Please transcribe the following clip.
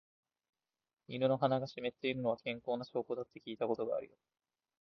犬の鼻が湿っているのは、健康な証拠だって聞いたことあるよ。